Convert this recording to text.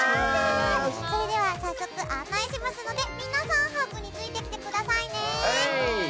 それでは早速、案内しますので皆さん、ハグについてきてくださいね。